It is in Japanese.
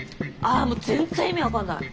ああもう全然意味分かんない。